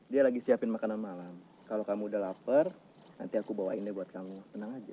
dia lagi siapin makanan malam kalau kamu udah lapar nanti aku bawain deh buat kamu tenang aja